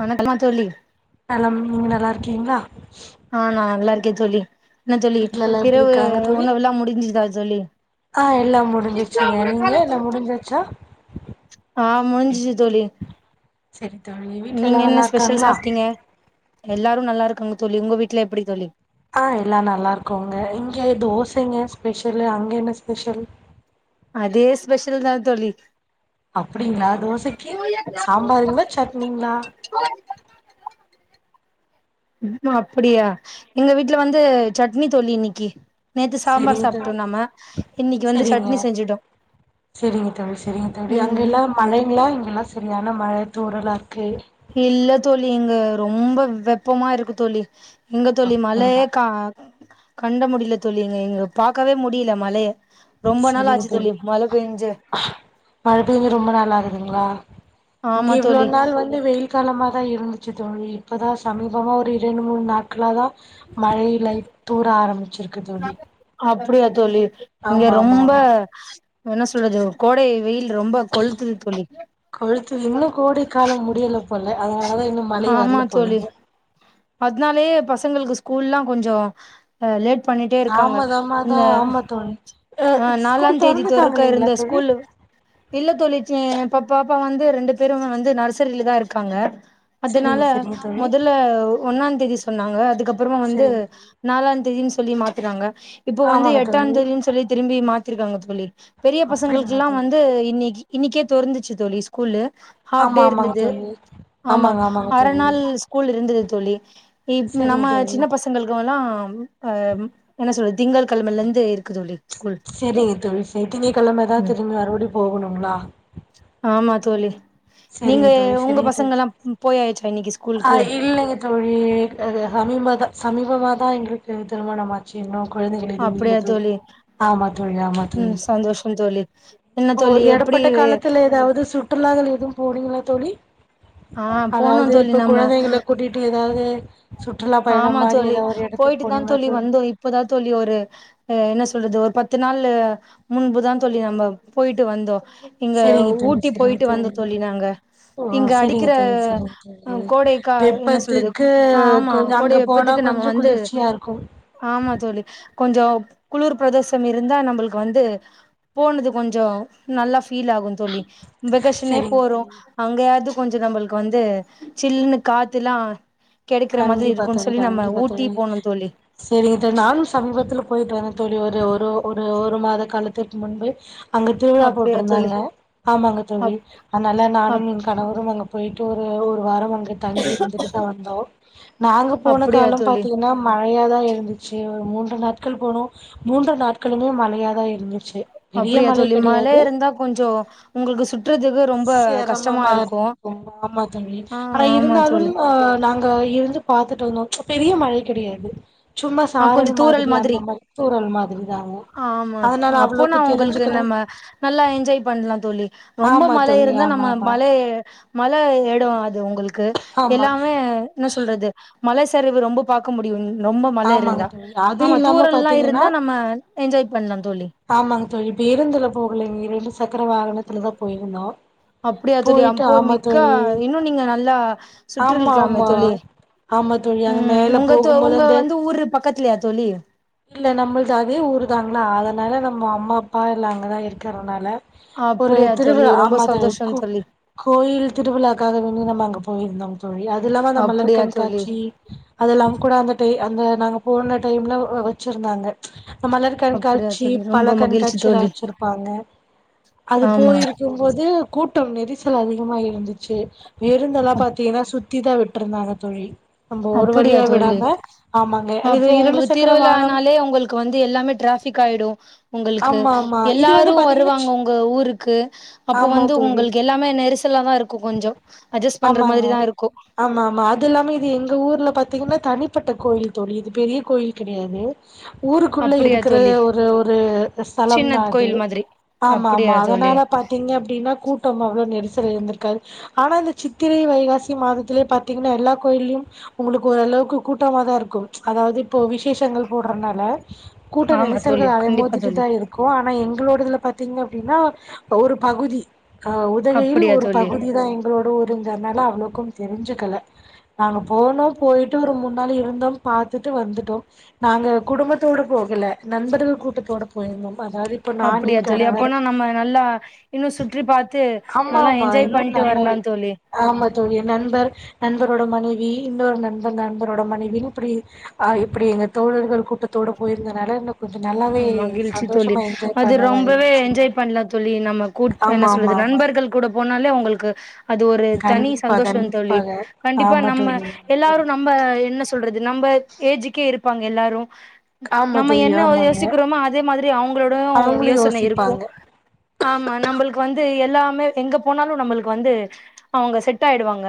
வணக்கினலா தோழி நலம் நீங்க நல்லா இருக்கீங்களா ஆ நா நல்லா இருக்கே தோழி என்ன தோழி வீட்ல எல்லா எப்டி இரவு இருக்காங்க தோழி உணவெல்லா முடிஞ்சுதா தோழி ஆ எல்லா முடிஞ்சுச்சுங்க நீங்க எல்லா முடிஞ்சுச்சா ஆ முடிஞ்சு தோழி செரி தோழி வீட் எல்லா நீங்க என்ன நல்லா ஸ்பெஷல் இருக்காங்களா சாப்ட்டீங்க எல்லாரு நல்லா இருக்காங்க தோழி உங்க வீட்ல எப்டி தோழி ஆ எல்லாரு நல்லா இருக்கோங்க இங்க தோசைங்க ஸ்பெஷலு அங்கே என்ன ஸ்பெஷல் அதே ஸ்பெஷல் தா தோழி அப்டிங்களா தோசைக்கு சாம்பாருங்களா சட்னிங்களா பாருங்க ம் அப்டியா எங்க வீட்ல வந்து சட்னி தோழி இன்னக்கி நேத்து சாம்பார் செரிங்க சாப்ட்டோ தோழி நம்ம இன்னைக்கி வந்து செரிங்க சட்னி செஞ்சுடோ செரிங்க தோழி செரிங்க தோழி அங்க ம் எல்லா மழங்களா இங்கெல்லா செரியான மழ தூரலா இருக்கு இல்ல தோழி இங்க ரொம்ப வெப்பமா இருக்கு தோழி எங்க தோழி மழையே அப்டிங்களா கா கண்ட முடியல தோழி இங்க இங்க பாக்கவே முடியல மழய ரொம்ப நாளா செரிங்க ஆச்சி தோழி மழ பேஞ்சு மழ பேஞ்சி ரொம்ப நாள் ஆகுதுங்களா இங்க ஆமா இவ்ளோ தோழி நாள் வந் து வெயில் காலமா தா இருந்துச்சு தோழி இப்பதா சமீபமா ஒரு இரண்டு மூணு நாட்களா தா மழை இ லை தூற ஆரம்பிக் அப்டியா தோழி இங்க ஆமா ஆமா ரொம்ப ஆமா என்ன சொல்றது கோடை வெயில் ரொம்ப கொளுத்துது தோழி கொளுத்துது இன்னு கோடை காலோ முடியல போல அதனாலதா இன்னும் ஆமா தோழி அதனாலயே பசங்களுக்கு ஸ்கூல்லா கொஞ்சோ அ லேட் பண்ணிட்டே இருக்காங்க தாமதமாதா இந்த ஆமா தோழி அ ஆ நாலாந் ஸ்கூல் தேதி தொறந்துட்டாங்க தொறக்க இல்லைங்களா இருந்த தோழி ஸ்கூலு இல்ல தோழி எ பாப்பா பாப்பா வந்து ரெண்டு பேருமே வந்து நர்சரி தா இருக்காங்க அதனால சரிங்க சரிங்க தோழி மொதல்ல வு ஒன்னாந் தேதி சொன்னாங்க அதுக்கப்பறமா வந்து சரிங்க தோழி நாளா தேதின் சொல்லி மாத்துறாங்க இப்போ வந்து ஆமாங்க எட்டாந் தோழி தேதின் சொல்லி திரும்பி மாத்திருக்காங்க தோழி பெரிய அப்டிங்களா பசங்களுக்குல்லா தோழி வந்து இன்னைக் இன்னிக்கே தொறந்துச்சு தோழி ஸ்கூலு ஆஃப் ஆமா டே ஆமாங்க இருந்தது தோழி ஆமா ஆமாங்க ஆமாங்க தோழி அரநாள் ஸ்கூல் இருந்தது தோழி இப் சரிங்க நம்ம தோழி சின்ன பச ங்கள்குலாம் ஆ என்ன சொல் திங்கள் கிழமலந்து இருக்கு தோழி ஸ்கூல் செரிங்க தோழி செ திங்க கிழமதா ம் திரும்பி மறுபடியு போகணுங்ளா ஆமா தோழி நீங்க செரிங்க தோழி உங்க செரிங்க தோழி பசங்கல்லா போய்யாச்சா இன்னைக்கு ஆ ஸ்கூலுக்கு இல்லைங்க தோழி அ சமீப தா சமீபமா தா எங்களுக்கு திருமண மா ச்சி இன்னு குழந்தைகள் எதுவும் அப்படியா இல்ல தோழி ஆமா தோழி ஆமா தோழி ம் சந்தோஷம் தோழி என்ன ஓ தோழி எப்டி எடப்பட்ட காலத்துல எதாவது சுற்றுலாகள் எதுவும் போனீங்களா தோழி ஆ போனோ அதாவது தோழி இப்ப நம்ம குழந்தைங்கள கூட்டிட்டு எதாவது சுற்றுலா பயணம் ஆமா மாரி தோழி எதோ ஒரு எடத்துக்கு போயிட்டு தா போனீங்ளா தோழி இப்பதா தோழி ஒரு ஆ என்ன சொல்றது ஒரு பத்து நாள் முன்புதான் தோழி நம்ம போயிட்டு வந்தோ இங்க செரிங்க தோழி ஊட்டி செரிங்க போயிட்டு வந்தோ தோழி நாங்க ஓ இங்க செரிங்க அடிக்கிற தோழி செரிங்க அ தோழி கோடை கா என்ன சொல்றது வெப்பத்துக்கு கொஞ்ச கோடை அங்க போனா வெப்பத்துக்கு நம்ம கொஞ்ச வந்து குளிர்ச்சியா இருக்கு ஆமா தோழி கொஞ்சோ குளிர் பிரதேசம் இருந்தா நம்புளுக்கு வந்து போனது கொஞ்சோ நல்லா ஃபீல் ஆகும் தோழி வெக்கேஷனே செரிங்க போறோ தோழி அங்கயாவது கொஞ்சம் நம்மளுக்கு வந்து சில்லுன்னு காத்துல்லா கெடைக்கிற மாதிரி இரு கண்டிப்பா க்குன் தோழி சொல்லி நம்ம கண்டிப்பா ஊட்டி தோழி போனம் தோழி செரிங்க தோழி நானு சமீபத்துல போயிட்டு வர தோழி ஒரு ஒரு ஒரு ஒரு மாத காலத்திற்கு முன்பு அங்க திருவிழா அப்டியா தோழி போட்டிருந்தாங்க ஆமாங்க தோழி அப் அதனால அப் நானும் இங் கணவரும் அங்க போயிட்டு ஒரு ஒரு வாரம் அங்க தங்கி இருந்துட்டுதா வந்தோ நாங்க போன அப்டியா காலம் தோழி பாத்தீங்கன்னா மழையாதான் இருந்துச்சு ஒரு மூன்று நாட்கள் போனோ மூன்று நாட்களுமே மழையாதான் இருந்துச்சு பெரிய அப்டியா மழை தோழி மழ கெடையாது இருந்தா கொஞ்சோ உங்குளுக்கு சுத் ஆமா தோழி ஆ ஆனா ஆமா இருந்தாலும் தோழி அ நாங் க இருந்து பாத்துட்டு வந்தோ பெரிய மழை கெடையாது சும்மா ஆ கொஞ்சோ சாரல் தூறல் மாதிரி அந்த மாரி தூறல் மாதிரி தானோ அதனால போனா அவ்ளோக்கு உங்குளுக்கு தெரிஞ்சுக்கல நம்ம நல்லா என்ஜாய் பண்ணலாம் தோழி ரொம்ப ஆமா மழ தோழி இருந்தா ஆமா நம்ம ஆமா மழை மழ எடம் அது உங்குளுக்கு ஆமா எல்லாமே என்ன சொல்றது மலச்சரிவு ரொம்ப பாக்க முடியும் ரொம்ப மழ ஆமாங்க இருந்தா தோழி அது ஆமா இல்லாம தூரல்லா பாத்தீங்கன்னா இருந்தா நம்ம என்ஜாய் பண்ணலா தோழி ஆமாங் தோழி இப்ப இருந்துல போகலைங்க இரண்டு சக்கர வாகனத்துல தான் போயிருந்தோ அப்டியா தோழி போயிட்டு அப்ப ஆமா மிக்க தோழி இன்னும் நீங்க நல்லா ஆமா சுற்றிருக்லாமே ஆமா தோழி ஆமா தோழி அங்க உம் மேல உங்க தோ போகும்போது உங்க அந்த வந்து ஊரு பக்கத்துலையா தோழி இல்ல நம்முள்து அதே ஊரு தாங்ளா அதனால நம்ம அம்மா அப்பா இல்ல அங்கதா இருக்கிறனால ஒரு அப்டியா தோழி திருவிழா ரொம்ப ஆமா தோழி சந்தோஷோ இக்கு தோழி கோயில் திருவிழாகாக வேண்டி நம்ம அங்க போயிருந்தோம் தோழி அது இல்லாம நம் மலர் அப்டியா தோழி கண்காட்சி அது எல்லாம் கூட அந்த டை அந்த நாங்க போன டைம்ல வெச்சுருந்தாங்க ந மலர் அப்டியா கண்காட்சி தோழி பழ ரொம்ப மகிழ்ச்சி கண்காட்சில்லா தோழி வெச்சிருப்பாங்க அது ஆமா போயிரு க்கும் போது கூட்டம் நெரிசல் அதிகமா இருந்துச்சு எருந்தெல்லாம் பாத்தீங்கன்னா சுத் த்திதா விட்ருந்தாங்க தோழி நம்ப ஒரு அப்படியா வழியா தோழி விடாம ஆமாங்க இது இரண்டு சக்கர வானம் க்கு வந்து எல்லாமே ட்ராஃபிக் ஆயிடு உங்கள்க்கு ஆமா ஆமா இது வந்து எல்லாரு பாத்தீங்கன்னா வருவாங்க ச்- உங்க ஊருக்கு அப்போ ஆமா வந்து தோழி உங்களுக்கு எல்லாமே நெரிசல்லா தா இருக்கு கொஞ்சோ அட்ஜஸ் பண்ற மாதிரிதா இருக்கு ஆமாமா அது இல்லாம இது எங்க ஊர்ல பாத்தீங்கன்னா தனிப்பட்ட கோயில் தோழி இது பெரிய கோயில் கிடையாது ஊருக்குள்ள அப்படியா இருக்கற தோழி ஒரு ஒரு ஸலம் சின்ன தா அது கோயில் மாதிரி ஆமாமா அப்படியா தோழி அதனால பாத்தீங்க அப்டினா கூட்டம் அவ்ளோ நெரிசல் இருந்திருக்காது ஆனா இந்த சித்திரை வைகாசி மாதத்திலே பாத்தீங்கன்னா எல்லா கோயில்லயும் உங்களுக்கு ஓரளவுக்கு கூட்டமாதா இருக்கும் அதாவது இப்போ விசேஷங்கள் போட்றனால கூட்ட ஆமா தோழி நெரிசல்கள் அலை மோதி கண்டிப்பா தோழி இருக்கு ஆனா எங்களோடதுல பாத்தீங்க அப்டின்னா ஒரு பகுதி அ உதகையில் அப்படியா ஒரு தோழி பகுதிதா எங்களோட ஊருங் அதனால அவ்ளோக்கும் தெருஞ்சுக்கல நாங்க போனோ போயிட்டு ஒரு மூன் நாள் இருந்தோம் பாத்துட்டு வந்துட்டோம் நாங்க குடும்பத்தோட போகல நண்பர்கள் கூட்டத்தோட போயிருந்தோம் அதாவது இப்ப நான் அப்படியா என் தோழி கணவர் அப்பனா நம்ம நல்லா இன்னு சுற்றி பாத்து ஆமா நல்லா ஆமா என்ஜாய் இன்னு பண்ணிட்டு நல்லாவே வரலாம் தோழி ஆமா தோழி நண்பர் நண்பரோட மனைவி இன்னொரு நண்பன் நண்பரோட மனைவி இப்படி அ இப்புடி எங்க தோழர்கள் கூட்டத்தோட போயிருந்தனால இன்னு கொஞ்ச நல்லாவே மகிழ்ச்சி தோழி சந்தோஷமா என்ஜாய் அது பண்ண மாரி ரொம்பவே இருந்துச்சு என்ஜாய் பண்லா தோழி நம்ம கூட் என்ன ஆமா சொல்றது ஆமா ஆமா நண்பர் கள் கூட போனாலே உங்கள்க்கு அது ஒரு தனி கண்டிப்பா சந்தோஷந் தோழி கண்டிப்பாக கண்டிப்பா ஆமா தோழி நம்ம எல்லாரு ந நம்ம என்ன சொல்றது நம்ம ஏஜுக்கே இருப்பாங்க எல்லாரு ஆமா தோழி ஆமாங் ச்சுக்கிறோமோ அதே மாதிரி அவுங்களோட யோசனை இருக்கு யோசிப்பாங்க ஆமா நம்மளுக்கு வந்து எல்லாமே எங்க போனாலு நம்மளுக்கு வந்து அவுங்க செட் ஆயிடுவாங்க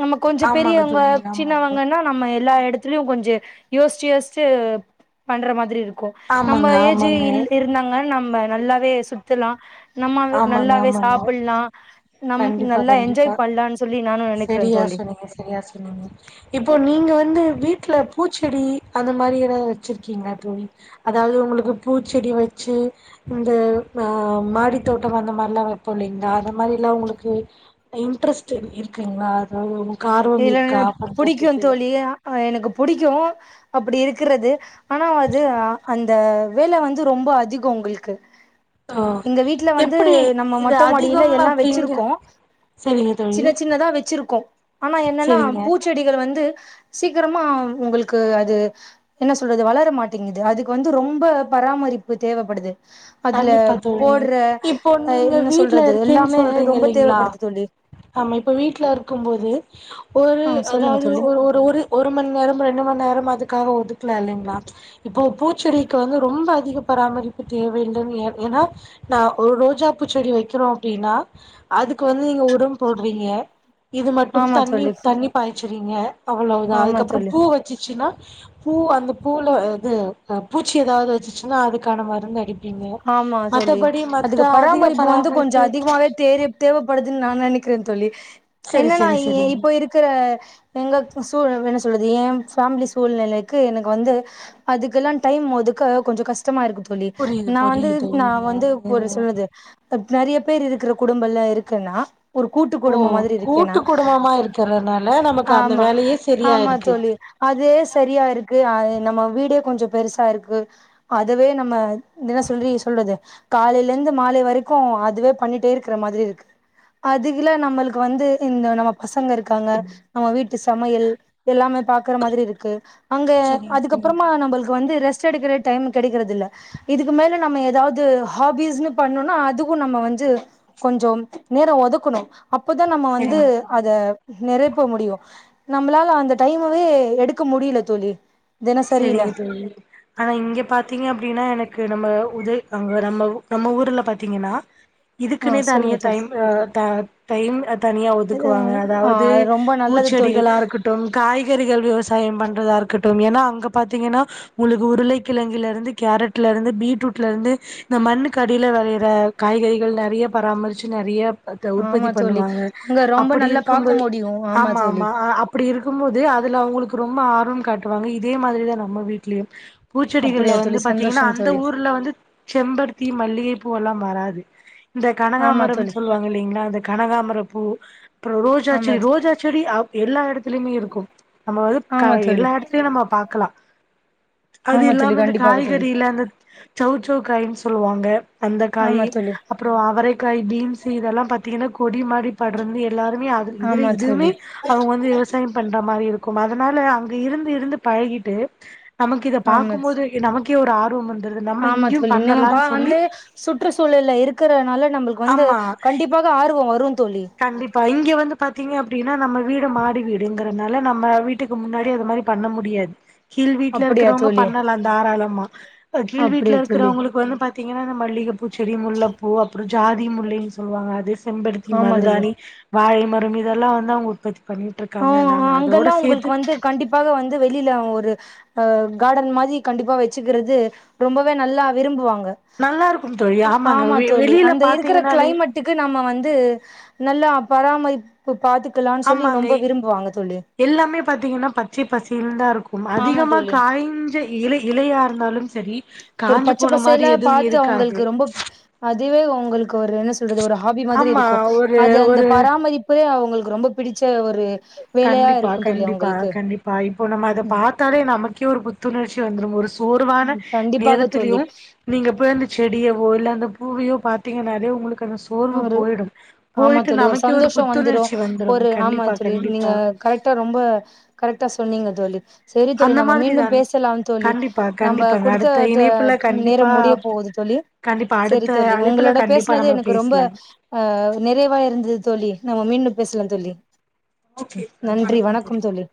நம்ம கொஞ்ச ஆமாங்க பெரியவங்க தோழி ஆமாங்க சின்னவங்கன்னா நம்ம எல்லா எடத்துலயு கொஞ்ச யோசிச்சு யோசிச்சு பண்ற மாதிரி இருக்கு நம்ம ஆமாங்க ஏஜூ ஆமாங்க இல் இர் ந்தாங்க நம்ம நல்லாவே சுத்தலா நம்ம ஆமாங்க நல்லாவே ஆமாங்க சாப்புல்லா நம் கண்டிப்பா நல்லா என்ஜாய் பண்ணலான் சொல்லி நானு நெனைக்கிறே தோழி நீங்க சரியா சொன்னீங்க இப்போ நீங்க வந்து வீட்ல பூச்செடி அந்த மாரி ஏதாது வச்சிருக்கீங்ளா தோழி அதாவது உங்களுக்கு பூச்செடி வச்சு இந்த அ மாடி தோட்டம் அந்த மார்லா வெப்போ இல்லைங்ளா அந்த மாரி இல்ல உங்களுக்கு இன்ட்ரெஸ்ட் இருக்குங்ளா அதது இல்லல புடிக்கு தோழி ஆ எனக்கு புடிக்கு அப்படி இருக்கறது ஆனா அது அந்த வேல வந்து ரொம்ப அதிகோ உங்கள்க்கு ஓ எங்க வீட்ல வந்து எப்டி நம்ம இது மொட்ட மாடில அதிகம் எல்லா அப்டிங்க வச்சிருக்கோ செரிங்க தோழி சின்ன சின்னதா வச்சிருக்கோ ஆனா என்னன்னா செரிங்க பூ ச்செடிகள் வந்து சீக்கிரமா உங்களுக்கு அது என்ன சொல்றது வளர மாட்டேங்குது அதுக்கு வந்து ரொம்ப பராமரிப்பு தேவப்படுது அதுல கண்டிப்பா தோழி போட்ற இப்போ அ நீங்க என்ன வீட்ல சொல்றது இருக்கேன்னு எல்லாமே சொல்றீங்க ரொம்ப இல்லைங்களா தேவப்படுது தோழி ஆமா இப்ப வீட்ல இருக்கும்போது ஒரு ஆ சொல்லுங்க அதாவது தோழி ஒரு ஒ ஒரு ஒரு மண் நேரம் ரெண்டு மண் நேரம் அதுக்காக ஒதுக்கலா இல்லைங்களா இப்போ பூச்செடிக்கு வந்து ரொம்ப அதிக பராமரிப்பு தேவ வேண்டும் ஏன் ஏனா நா ஒரு ரோஜா பூச்செடி வைக்கிறோம் அப்டின்னா அதுக்கு வந்து நீங்க உரம் போடுறீங்க இது மட்டும் ஆமா தண்ணி தோழி தண்ணி பாய்ச்சறீங்க அவ்ளோவுதா ஆமா அதுக்கப்புறம் தோழி பூ வ ச்சிச்சினா பூ அந்த பூல இது ஆ பூச்சி எதாவது வச்சிச்சினா அதுக்கான மருந்து அடி ஆமா தோழி அதுக்கு அதிக பராமரிப்பு வந்து பராமரிப்பு கொஞ்சம் அதிகமாவே தேறி தேவப்படுதுன் நா நெனைக்கிறன் தோழி செரி என்னன்னா செரி செரிங்க இப்ப இருக் கிற எங்க சூழ என்ன சொல்றது ஏ ஃபேமிலி சூழ்நிலைக்கு எனக்கு வந்து அதுக்குலா டைம் ஒதுக்க கொஞ்சம் கஷ்டமா இருக்கு தோழி புரியுது நா வந்து புரியுது நா வந்து ஒரு ம். சொல்றது நறையா பேரு இருக்கற குடும்ப எல்லா இருக்குன்னா ஒரு கூட்டு ஓ குடும்ப மாதிரி இருக்கேன்னா கூட்டு குடும்பமா இருக்கறனால நமக்கு அந்த ஆமா வேலையே சரியா ஆமா இருக்கு தோழி அதே சரியா இருக்கு அது நம்ம வீடே கொஞ்சம் பெருசா இருக்கு அதுவே நம்ம தின சொல்லி சொல்றது காலையில இந்து மாலை வரைக்கும் அதுவே பண்ணிட்டே இருக்கற மாதிரி இருக்கு அதுகில நம்மளுக்கு வந்து இந்த நம்ம பசங்க இருக்காங்க நம்ம வீட்டு சமையல் எல்லாமே பாக்கற மாதிரி இருக்கு அங்க சரிங்க சரிங்க அதுக்கப்புறமா தோழி நம்பளுக்கு வந்து ரெஸ்ட் எடுக்கற டைம் கெடைக்கறதில்ல இதுக்கு மேல நம்ம எதாவது ஹாபிஸ்ன்னு பண்ணுன்னா அதுக்கும் நம்ம வந்து கொஞ்சம் நேரம் ஒதுக்கணும் அப்போதா நம்ம வந்து சரிங்க சரி அத நெறைப்ப முடியும் நம்மளால அந்த டைமவே எடுக்க முடியில தோழி தினசரியில செரிங்க தோழி ஆனா இங்க பாத்தீங்க அப்டின்னா எனக்கு நம்ம உதய் அங்க நம்ம ஊ நம்ம ஊர்ல பாத்தீங்கன்னா ஆ இதுக்குன்னே தனியா சொல்லுங்க தோழி டைம் ஆ ட டைம் தனியா ஒதுக்குவாங்க ஆ அதாவது ரொம்ப நல்லது தோழி கலா இருக்கட்டும் காய்கறிகள் விவசாயம் பண்றதா இருக்கட்டும் ஏனா அங்க அங்க பாத்தீங்கன்னா உங்களுக்கு உருளைக்கிழங்குல இருந்து கேரட்ல இருந்து பீட்ரூட்ல இருந்து இந்த மண்ணுக்கடியில வெளையிற காய்கறிகள் நறையா பராமரிச்சி நறையா அத்த ஆமா உற்பத்தி தோழி பண்ணுவாங்க அங்க ரொம்ப அப்டி நல்லா பாக்க இருக்கும்போது முடியு ஆமா தோழி ஆமா ஆ அப் ப்டி இருக்குமோது அதுல அவுங்களுக்கு ரொம்ப ஆர்வம் காட்டுவாங்க இதே மாதிரிதா நம்ம வீட்லயும் பூச்செடிகள்ல அப்படியா வந்து தோழி பாத்தீங்கன்னா சந்தோஷம் அந்த தோழி ஊர்ல வந்து செம்பருத்தி மல்லிகைப்பூ எல்லாம் வராது இந்த ஆமா கனகாமரம் தோழி சொல்லுவாங்க இல்லைங்களா அந்த கனகாமர பூ அப்புறம் ரோஜாச் ஆமா செடி தோழி, ரோஜா செடி ஆ எல்லா எடத்துலயுமே இருக்கும் நம்ம வந்து க ஆமா தோழி எல்லா ஏடத்துலயும் நம்ம பாக்கலா அது ஆமா தோழி இல்லாம அந்த கண்டிப்பாக தோழி காய்கறில அந்த சௌ சௌ காய்ன்னு சொல்லுவாங்க அந்த ஆமா காயி தோழி அப்புறம் அவரைக்காய் பீன்ஸ் இதெல்லா பாத்தீங்கன்னா கொடி மாரி படர்ந்து எல்லாருமே இதுலே ஆமா இதுவுமே தோழி அவுங்க வந்து விவசாயம் பண்ற மாரி இருக்கும் அதனால அங்க இருந்து இருந்து பழகிட்டு நமக்கு இத ஆமா பாக்கும் போது நமக்கே ஒரு ஆர்வம் வந் ஆமா தோழி நம்ம பா வந்து சுற்றுச்சூழல இருக்கறனால நம்பளுக்கு வந்து ஆமா கண்டிப்பா கு ஆர்வம் வரும் தோழி கண்டிப்பா இங்க வந்து பாத்தீங்க அப்டின்னா நம்ம வீடு மாடி வீடுங்கிறனால நம்ம வீட்டுக்கு முன்னாடி அது மாரி பண்ண முடியாது கீழ் வீட்ல அப்படியா இருக்கறவங்க தோழி பண்ணலா தாராளமா கீழ் வீட்ல அப்படியா தோழி இருக்கறவங்களுக்கு வந்து பாத் திங்கனா இந்த மல்லிகப்பூ செடி முல்ல பூ அப்புற ஜாதி முல்லைன் சொல்லுவாங்க அது செம்பரு த்தி ஆமா தோழி மருதானி வாழை மரம் இதெல்லா வந்து அவுங்க உற்பத்தி ஆ பண்ணிட்டுருக்காங்க நாங்க அதோட அங்கெல்லா சேத்து உங்களுக்கு வந்து கண்டிப்பாக வந்து வெளியில ஒரு அஹ காடன் மாதி வச்சுக்கிறது ரொம்பவே நல்லா விரும்புவாங்க நல்லா இருக்கும் தோழி ஆமாங்க ஆமா வெ தோழி வெளியில அந்த இருக்குற பாத்தீங்கன்னாலே கிளைமெட் க்கு நம்ம வந்து நல்லா பராமரிப்பு பாத்துக்கலான் சொல்லி ஆமாங்க ரொம்ப விரும்புவாங்க தோழி எல்லாமே பா்த்திங்கன்னா பச்சை பசேல்ன் தா இருக்கு ஆமா அதிகமா தோழி காய்ஞ்சு இல இலையா இருந்தாலும் செரி ஒரு பச்ச பசேலா பாத்து அவுங்களுக்கு ரொம்ப அதுவே ஒங்களுக்கு ஒரு என்ன சொல்றது ஒரு ஹாபி மாதிரி ஆமா இருக்கு ஒரு அது அந்த ஒரு பராமரிப் இப்பதே அவுங்களுக்கு ரொம்ப பிடிச்ச ஒரு வேலையா இருக்கு தோழி அவுங்களுக்கு ப்பா இப்போ நம்ம அத பாத்தாலே நமக்கே ஒரு புத்துணர்ச்சி வந்துரு ஒரு உருவான ம் கண்டிப்பாக நேரத்துலயு தோழி நீங்க போய் அந்த செடியவோ இல்ல அந்த பூவையோ பாத்திங்கனாலே உங்களுக்கு அந்த சோர்வு ஒரு போயிடு ஆமா போய்ட்டு தோழி நமக்கே ஒரு சந்தோஷோ வந்துரு புத்துணர்ச்சி வந்துரு ஒரு ஆமா கண்டிப்பா தோழி நீங்க கண்டிப்பா கரெக்டா ரொம்ப கரெக்டா சொன்னீங்க தோழி செரி தோழி அந்த நம்ம மாதிரி மீண்டும் தான் பேசலாம் தோழி கண்டிப்பா நம்ப கண்டிப்பாங்க குடுத்த அடுத்த ட இணைப்புல நேரம் முடிய கண்டிப்பா போகுது தோழி கண்டிப்பா செரி அடுத்த தோழி அழைப்புல ஒங்ளோட கண்டிப்பா பேசுனது நம்ம எனக்கு ரொம்ப பேசலாம் அ நிறைவா இருந்தது தோழி நம்ம மீண்டு பேசலா தோழி நன்றி வணக்கம் தோழி